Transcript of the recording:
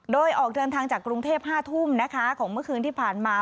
โดยออกเดินทางจากกรุงเทพ๕ทุ่มนะคะของเมื่อคืนที่ผ่านมา